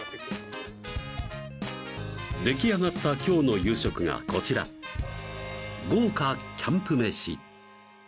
出来上がったきょうの夕食がこちら豪華キャンプ飯！